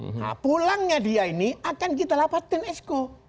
nah pulangnya dia ini akan kita lapatin esko